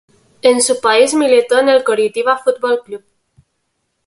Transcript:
En su país militó en el Coritiba Foot Ball Club.